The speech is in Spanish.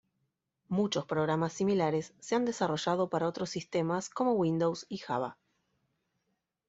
Muchos programas similares se han desarrollado para otros sistemas como Windows y Java.